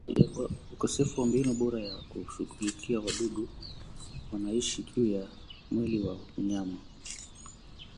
Ukosefu wa mbinu bora ya kushughulikia wadudu wanaoishi juu ya mwili wa mnyama